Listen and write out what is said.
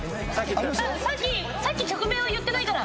さっき曲名は言ってないから。